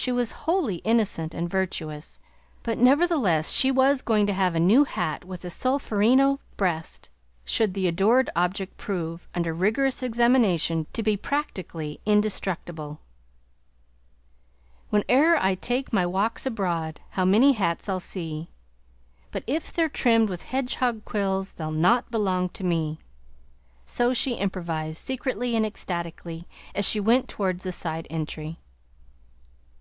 She was wholly innocent and virtuous, but nevertheless she was going to have a new hat with the solferino breast, should the adored object prove, under rigorous examination, to be practically indestructible. "Whene'er I take my walks abroad, How many hats I'll see; But if they're trimmed with hedgehog quills They'll not belong to me!" So she improvised, secretly and ecstatically, as she went towards the side entry.